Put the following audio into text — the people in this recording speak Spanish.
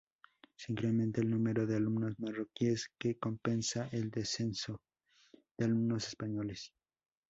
Se incrementa el número de alumnos marroquíes que compensa el descenso de alumnos españoles.